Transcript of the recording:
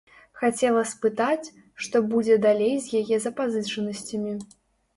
Хацела спытаць, што будзе далей з яе запазычанасцямі.